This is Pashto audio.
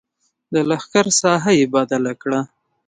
د لښکر ساحه یې بدله کړه.